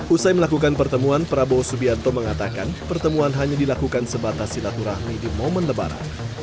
usai melakukan pertemuan prabowo subianto mengatakan pertemuan hanya dilakukan sebatas silaturahmi di momen lebaran